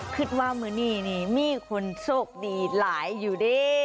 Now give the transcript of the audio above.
คิดว่าวันนี้นี่มีคนโชคดีหลายอยู่ดิ